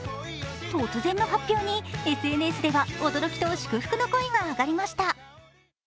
突然の発表に、ＳＮＳでは驚きと祝福の声が上がりました。